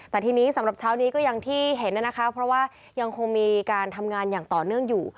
แต่ทีนี้สำหรับเช้านี้ก็อย่างที่เห็นนะคะเพราะว่ายังคงมีการทำงานอย่างต่อเนื่องอยู่